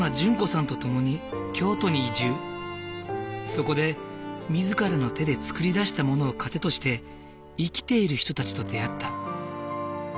そこで自らの手で作り出したものを糧として生きている人たちと出会った。